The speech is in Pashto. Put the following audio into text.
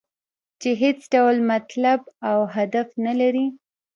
چې هېڅ ډول مطلب او هدف نه لري.